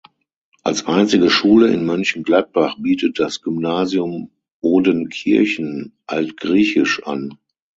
Als einzige Schule in Mönchengladbach bietet das Gymnasium Odenkirchen Altgriechisch an.